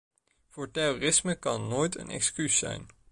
Voor terrorisme kan nooit een excuus zijn.